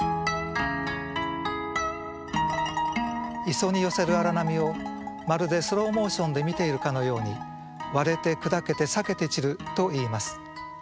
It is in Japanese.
磯に寄せる荒波をまるでスローモーションで見ているかのようにわれてくだけて裂けて散るといいます。